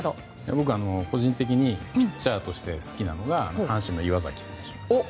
僕は個人的にピッチャーとして好きなのが阪神の岩崎選手です。